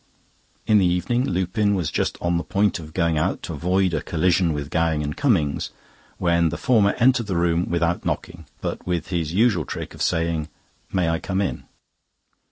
In the evening Lupin was just on the point of going out to avoid a collision with Gowing and Cummings, when the former entered the room, without knocking, but with his usual trick of saying, "May I come in?"